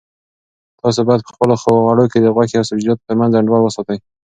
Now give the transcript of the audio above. تاسو باید په خپلو خوړو کې د غوښې او سبزیجاتو ترمنځ انډول وساتئ.